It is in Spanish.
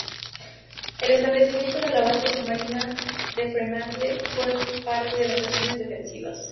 El establecimiento de la base submarina de Fremantle fue parte de las acciones defensivas.